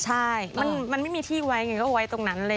ใช่มันไม่มีที่ไว้ไงก็เอาไว้ตรงนั้นเลย